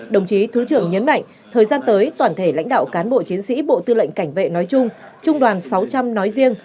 đồng chí thứ trưởng nhấn mạnh thời gian tới toàn thể lãnh đạo cán bộ chiến sĩ bộ tư lệnh cảnh vệ nói chung trung đoàn sáu trăm linh nói riêng